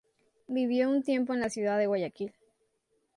Vivió un tiempo en la ciudad de Guayaquil.